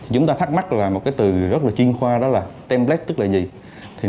chúng ta thắc mắc là một từ rất là chuyên khoa đó là template tức là gì